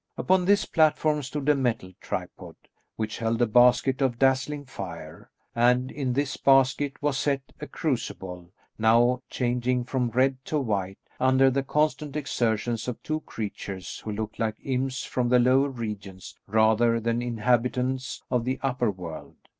Upon this platform stood a metal tripod, which held a basket of dazzling fire, and in this basket was set a crucible, now changing from red to white, under the constant exertions of two creatures who looked like imps from the lower regions rather than inhabitants of the upper world.